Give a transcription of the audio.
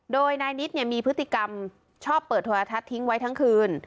โดยนายนิดมีพฤติกรรมชอบเปิดโทรทัศน์ทิ้งไว้ทั้งคืน